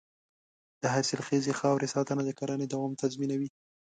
د حاصلخیزې خاورې ساتنه د کرنې دوام تضمینوي.